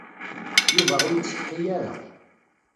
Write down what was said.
Yuba ur yettsetḥi ara.